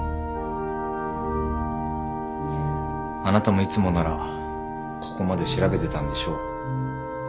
あなたもいつもならここまで調べてたんでしょう。